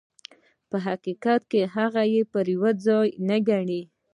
په حقیقت کې هغه یې پر ځان نه ګڼي.